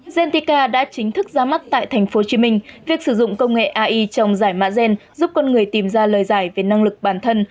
gentica đã chính thức ra mắt tại tp hcm việc sử dụng công nghệ ai trong giải mã gen giúp con người tìm ra lời giải về năng lực bản thân